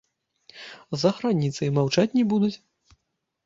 За граніцай маўчаць не будуць.